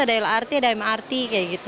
ada lrt ada mrt kayak gitu